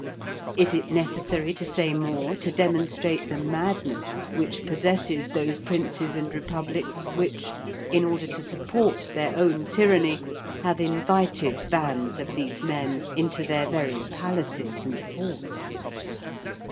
Is it necessary to say more to demonstrate the madness which possesses those princes and republics which, in order to support their own tyranny, have invited bands of these men into their very palaces and forts?